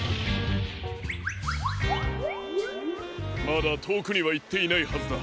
まだとおくにはいっていないはずだ。